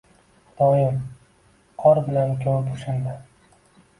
Xudoyim, qor bilan ko’mib o’shanda